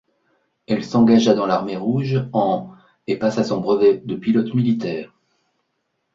Elle s'engagea dans l'Armée rouge en et passa son brevet de pilote militaire.